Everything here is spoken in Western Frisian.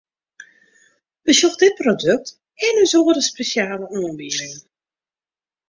Besjoch dit produkt en ús oare spesjale oanbiedingen!